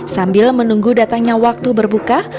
sambil menunggu datangnya waktu berbuka